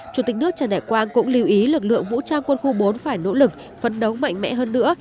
chủ tịch nước trần đại quang cũng lưu ý lực lượng vũ trang quân khu bốn phải nỗ lực phấn đấu mạnh mẽ hơn nữa